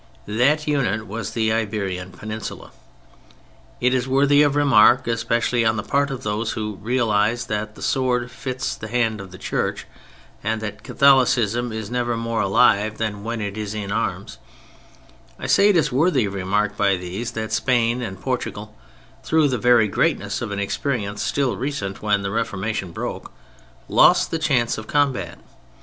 That unit was the Iberian Peninsula. It is worthy of remark, especially on the part of those who realize that the sword fits the hand of the Church and that Catholicism is never more alive than when it is in arms, I say it is worthy of remark by these that Spain and Portugal through the very greatness of an experience still recent when the Reformation broke, lost the chance of combat.